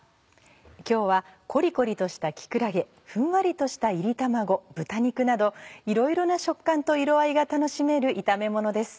今日はコリコリとした木くらげふんわりとした炒り卵豚肉などいろいろな食感と色合いが楽しめる炒めものです。